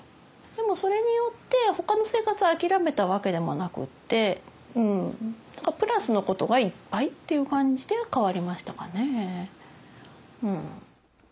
でもそれによってほかの生活を諦めたわけでもなくってうんプラスのことがいっぱいっていう感じで変わりましたかね。